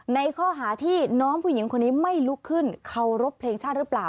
ในข้อหาที่น้องผู้หญิงคนนี้ไม่ลุกขึ้นเคารพเพลงชาติหรือเปล่า